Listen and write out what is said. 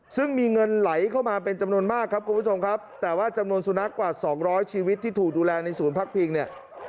ซึ่งมีเงินไหลเข้ามาเป็นจำนวนมากครับคุณผู้ชมครับแต่ว่าจำนวนสุนัขกว่าสองร้อยชีวิตที่ถูกดูแลในศูนย์พักพิงเนี่ย